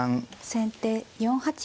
先手４八金。